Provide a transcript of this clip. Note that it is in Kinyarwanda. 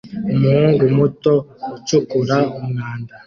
Umuhungu muto ucukura umwanda